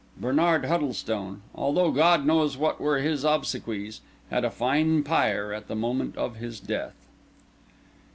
Bernard Huddlestone, although God knows what were his obsequies, had a fine pyre at the moment of his death.